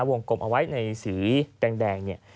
วงกลมเอาไว้ในสีแดงเนี่ย